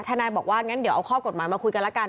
นายบอกว่างั้นเดี๋ยวเอาข้อกฎหมายมาคุยกันละกัน